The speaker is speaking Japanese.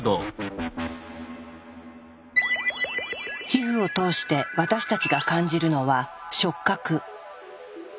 皮膚を通して私たちが感じるのは「触覚」。